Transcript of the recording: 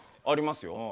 ありますよ。